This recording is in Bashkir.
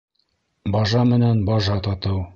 Бажа менән бажа татыу